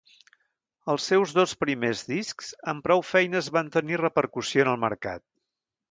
Els seus dos primers discs, amb prou feines van tenir repercussió en el mercat.